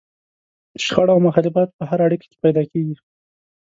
شخړه او مخالفت په هره اړيکه کې پيدا کېږي.